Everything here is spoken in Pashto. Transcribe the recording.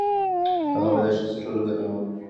هغه وايي دا شخصي ټولګه نه وه.